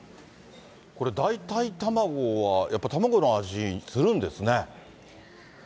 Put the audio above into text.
これ、代替卵は、やっぱり卵の味するんですね。